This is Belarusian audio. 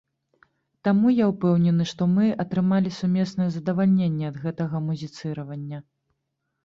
Таму я ўпэўнены, што мы атрымалі сумеснае задавальненне ад гэтага музіцыравання.